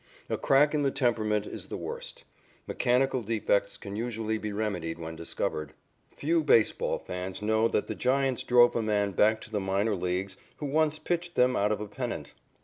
A crack in the temperament is the worst. Mechanical defects can usually be remedied when discovered. Few baseball fans know that the Giants drove a man back to the minor leagues who once pitched them out of a pennant.